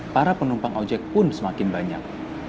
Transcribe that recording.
para penumpang ojek pun semakin banyak